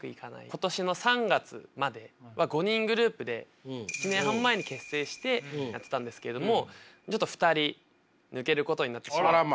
今年の３月までは５人グループで１年半前に結成してやってたんですけどもちょっと２人抜けることになってしまって。